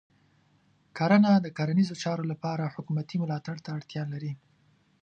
کرنه د کرنیزو چارو لپاره حکومتې ملاتړ ته اړتیا لري.